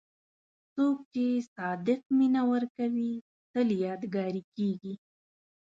څوک چې صادق مینه ورکوي، تل یادګاري کېږي.